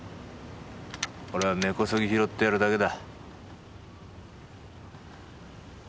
俺は根こそぎ拾ってやるだけだ。